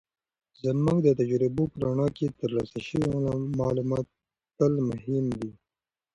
زموږ د تجربو په رڼا کې، ترلاسه شوي معلومات تل مهم دي.